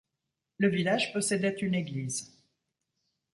Le village possédait une église.